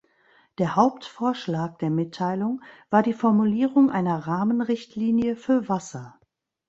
Der Hauptvorschlag der Mitteilung war die Formulierung einer Rahmenrichtlinie für Wasser.